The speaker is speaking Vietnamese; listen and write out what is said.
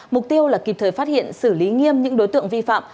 mục tiêu là kịp thời phát hiện xử lý nghiêm những đối tượng vi phạm